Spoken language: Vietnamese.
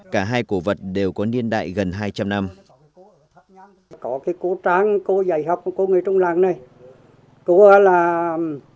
cả hai cổ vật đều có niên đại gần hai trăm linh năm